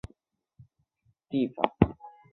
他于藏历火马年生于卫堆奔珠宗地方。